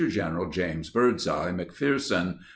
Gen. James Birdseye McPherson.